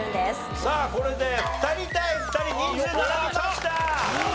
さあこれで２人対２人人数並びました。